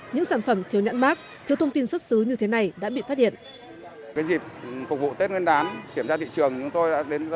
những sản phẩm thiếu nhãn mát thiếu thông tin xuất xứ như thế này đã bị phát hiện